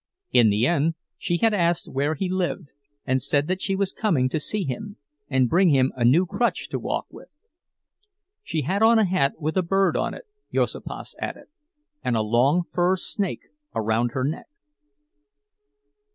In the end she had asked where he lived, and said that she was coming to see him, and bring him a new crutch to walk with. She had on a hat with a bird upon it, Juozapas added, and a long fur snake around her neck.